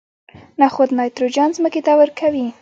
نخود نایتروجن ځمکې ته ورکوي.